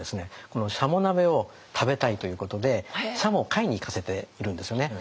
このしゃも鍋を食べたいということでしゃもを買いに行かせているんですよね。